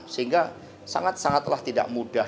sehingga sangat sangatlah tidak mudah